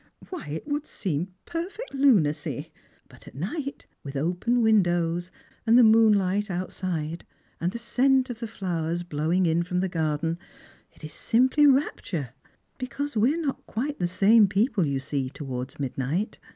Why, it would seem perfect lunacy ! But at night, with o^sen windows, and the moonlight outside, and the scent of the flowers blowing in from the garden, it is simply rapture, because we are not quite the same people, you see, towards midnight.